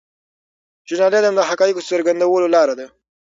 ژورنالیزم د حقایقو څرګندولو لاره ده.